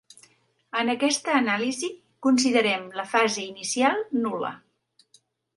En aquesta anàlisi, considerem la fase inicial nul·la.